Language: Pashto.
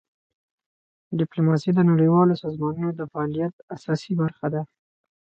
ډیپلوماسي د نړیوالو سازمانونو د فعالیت اساسي برخه ده.